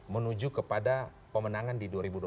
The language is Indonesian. menuju kepada pemenangan di dua ribu dua puluh